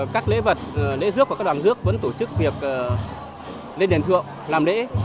các lễ vật lễ rước và các đoàn rước vẫn tổ chức việc lên đền thượng làm lễ